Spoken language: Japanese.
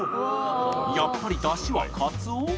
やっぱり、ダシはカツオ？